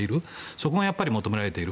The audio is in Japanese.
そこが求められている。